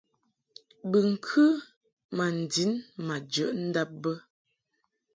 Bɨŋkɨ ma ndin ma jəʼ ndab bə.